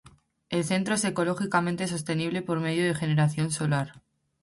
El centro es ecológicamente sostenible por medio de generación solar.